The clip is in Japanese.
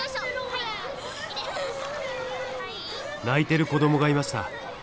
泣いてる子どもがいました。